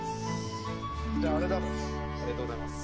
じゃあありがとうございます。